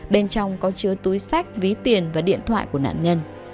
bên trong có chứa túi sách ví tiền và điện thoại của nạn nhân